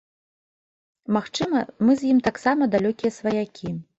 Магчыма, мы з ім таксама далёкія сваякі.